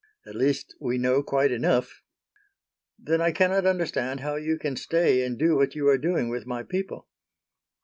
"At least we know quite enough." "Then I cannot understand how you can stay and do what you are doing with my people."